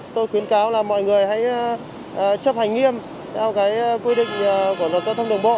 tôi khuyến cáo là mọi người hãy chấp hành nghiêm theo quy định của luật giao thông đường bộ